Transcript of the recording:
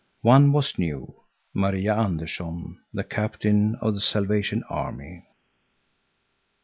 One was new, Maria Anderson, the captain of the Salvation Army.